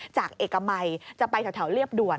จากเอกมัยจะไปแถวเรียบด่วน